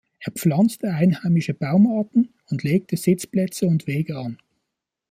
Er pflanzte einheimische Baumarten und legte Sitzplätze und Wege an.